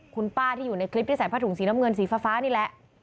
คุณป้าที่อยู่ในคลิปที่ใส่ผ้าถุงสีน้ำเงินสีฟ้านี่แหละ